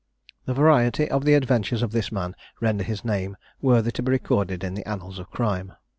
The variety of the adventures of this man render his name worthy to be recorded in the annals of crime.